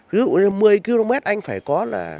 ví dụ như một mươi km anh phải có là